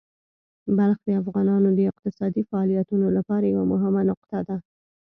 بلخ د افغانانو د اقتصادي فعالیتونو لپاره یوه مهمه نقطه ده.